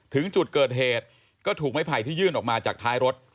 ถึงจุดเกิดเหตุก็ถูกไม้ไผ่ที่ยื่นออกมาจากท้ายรถ